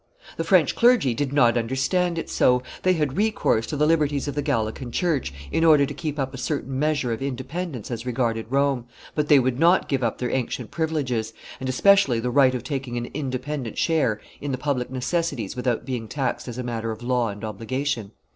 The French clergy did not understand it so; they had recourse to the liberties of the Gallican church in order to keep up a certain measure of independence as regarded Rome, but they would not give up their ancient privileges, and especially the right of taking an independent share in the public necessities without being taxed as a matter of law and obligation.